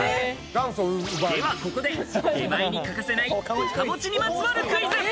ではここで、出前に欠かせない岡持ちにまつわるクイズ。